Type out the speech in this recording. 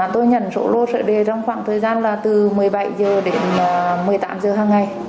tôi nhận số lô số đề trong khoảng thời gian là từ một mươi bảy h đến một mươi tám h hàng ngày